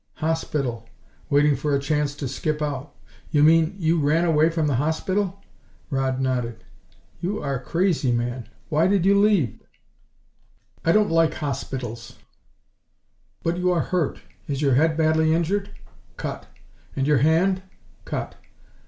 "Hospital. Waiting for a chance to skip out." "You mean you ran away from the hospital?" Rodd nodded. "You are crazy, man! Why did you leave?" "I don't like hospitals." "But you are hurt! Is your head badly injured?" "Cut." "And your hand?" "Cut."